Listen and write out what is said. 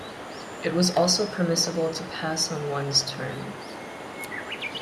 It was also permissible to pass on one's turn.